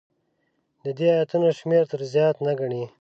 د دې ایتونو شمېر تر زیات نه ګڼي.